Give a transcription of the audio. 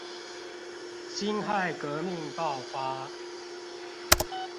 辛亥革命爆發